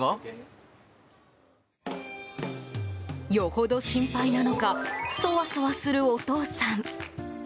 よほど心配なのかそわそわするするお父さん。